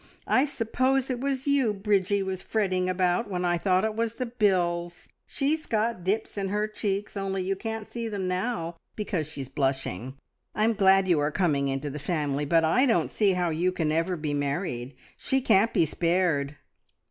I suppose it was you Bridgie was fretting about, when I thought it was the bills! She's got dips in her cheeks, only you can't see them now, because she's blushing. I'm glad you are coming into the family, but I don't see how you can ever be married! She can't be spared!"